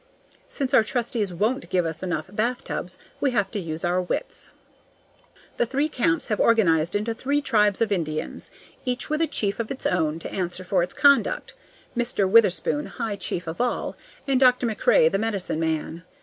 Since our trustees WON'T give us enough bathtubs, we have to use our wits. The three camps have organized into three tribes of Indians, each with a chief of its own to answer for its conduct, Mr. Witherspoon high chief of all, and Dr. MacRae the medicine man.